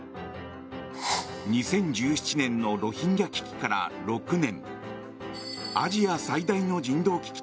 ２０１７年のロヒンギャ危機から６年。